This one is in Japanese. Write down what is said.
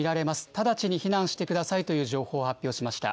直ちに避難してくださいという情報を発表しました。